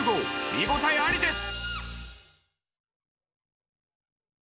見応えありです。